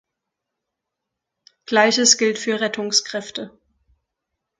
Gleiches gilt für Rettungskräfte.